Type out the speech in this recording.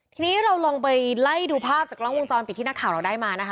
ทีนี้เราลองไปไล่ดูภาพจากกล้องวงจรปิดที่นักข่าวเราได้มานะคะ